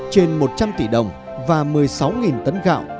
trên một trăm linh tỷ đồng và một mươi sáu tấn gạo